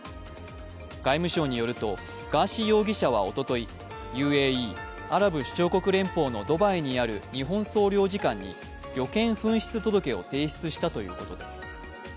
外務省によると、ガーシー容疑者はおととい、ＵＡＥ＝アラブ首長国連邦のドバイにある日本総領事館に、旅券紛失届を提出したということです。